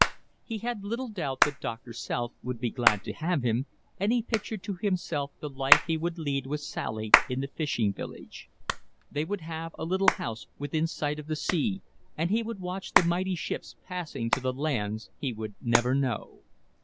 He had little doubt that Doctor South would be glad to have him, and he pictured to himself the life he would lead with Sally in the fishing village. They would have a little house within sight of the sea, and he would watch the mighty ships passing to the lands he would never know.